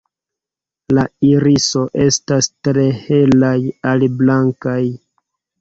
La iriso estas tre helaj al blankaj.